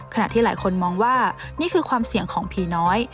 ขณะที่หลายคนมองว่านี่คือความเสี่ยงของผีน้อย